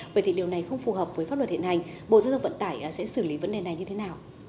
vậy thì điều này không phù hợp với pháp luật hiện hành bộ giao thông vận tải sẽ xử lý vấn đề này như thế nào